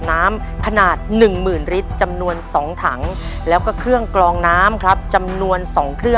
ในแคมเปญพิเศษเกมต่อชีวิตโรงเรียนของหนู